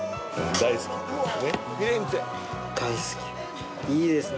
「大好き」いいですね